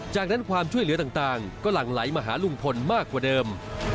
จากนั้นความช่วยเหลือต่างก็หลั่งไหลมาหาลุงพลมากกว่าเดิม